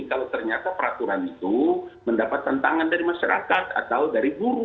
kalau ternyata peraturan itu mendapat tentangan dari masyarakat atau dari guru